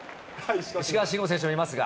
石川慎吾選手もいますが。